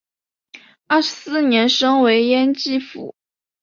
二十四年升为焉耆府。